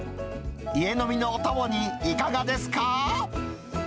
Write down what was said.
家飲みのお供にいかがですか？